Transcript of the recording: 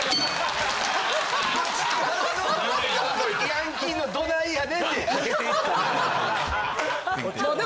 ヤンキーの「どないやねん」ではけていったみたいな。